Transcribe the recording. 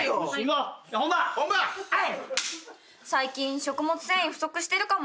「最近食物繊維不足してるかも」